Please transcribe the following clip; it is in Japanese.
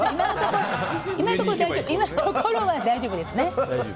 今のところは大丈夫ですね。